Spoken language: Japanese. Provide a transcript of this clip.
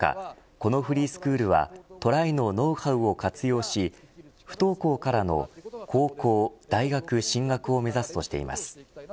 このフリースクールはトライのノウハウを活用し不登校からの高校、大学進学を目指すとしています。